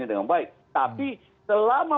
dengan baik tapi selama